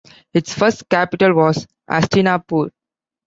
Its first capital was Hastinapur.